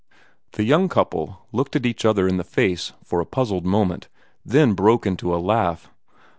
The young couple looked each other in the face for a puzzled moment, then broke into a laugh.